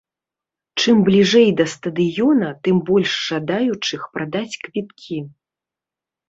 Чым бліжэй да стадыёна, тым больш жадаючых прадаць квіткі.